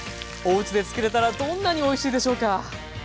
おうちで作れたらどんなにおいしいでしょうか。